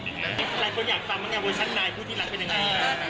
ใครควรอยากฟังว่าไงเวอร์ชันนายผู้ที่รักเป็นอย่างไร